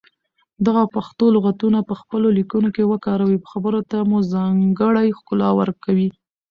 دغه پښتو لغتونه په خپلو ليکنو کې وکاروئ خبرو ته مو ځانګړې ښکلا ورکوي.